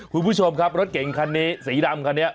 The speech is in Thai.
คุณผู้ชมครับรถเก่งคันนี้สีดำคันนี้